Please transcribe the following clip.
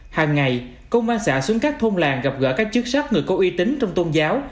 hàng ngày công an xã xuống các thôn làng gặp gỡ các chức sắc người có uy tín trong tôn giáo